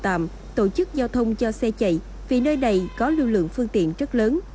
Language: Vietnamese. tạm tổ chức giao thông cho xe chạy vì nơi này có lưu lượng phương tiện rất lớn